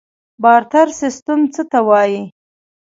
بارتر سیستم څه ته وایي؟